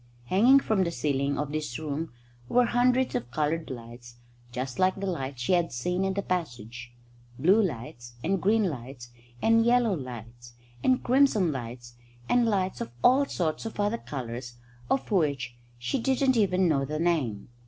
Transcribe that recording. Hanging from the ceiling of this room were hundreds of coloured lights just like the lights that she had seen in the passage blue lights, and green lights, and yellow lights, and crimson lights, and lights of all sorts of other colours of which she didn't even know the name.